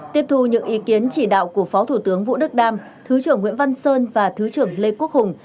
tiếp thu những ý kiến chỉ đạo của phó thủ tướng vũ đức đam thứ trưởng nguyễn văn sơn và thứ trưởng lê quốc hùng